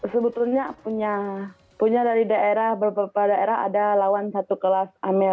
sebetulnya punya dari daerah beberapa daerah ada lawan satu kelas amel